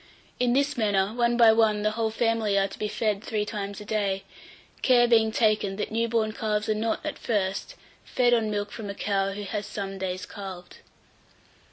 In this manner one by one the whole family are to be fed three times a day; care being taken, that new born calves are not, at first, fed on milk from a cow who has some days calved.